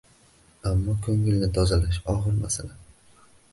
Ammo ko‘ngilni tozalash og‘ir masala.